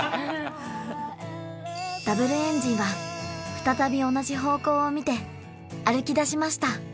Ｗエンジンは再び同じ方向を見て歩きだしました・